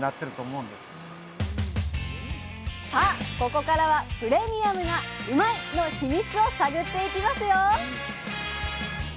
ここからはプレミアムなうまいッ！のヒミツを探っていきますよ！